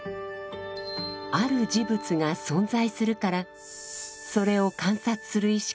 ある事物が存在するからそれを観察する意識が生じる。